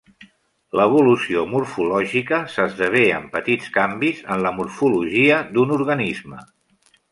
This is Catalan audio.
L'evolució morfològica s'esdevé amb petits canvis en la morfologia d'un organisme.